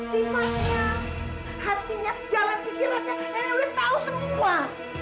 simatnya hatinya jalan pikirannya